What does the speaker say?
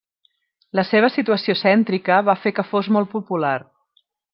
La seva situació cèntrica va fer que fos molt popular.